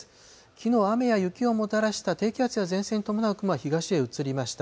きのう、雨や雪をもたらした低気圧や前線に伴う雲は東へ移りました。